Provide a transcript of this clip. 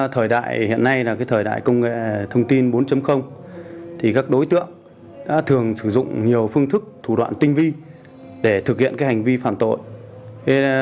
thời đại hiện nay là thời đại công nghệ thông tin bốn thì các đối tượng đã thường sử dụng nhiều phương thức thủ đoạn tinh vi để thực hiện hành vi phạm tội